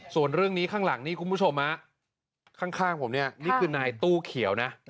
ส่วนเรื่องนี้ข้างหลังนี่คุณผู้ชมข้างผมเนี่ยนี่คือนายตู้เขียวนะ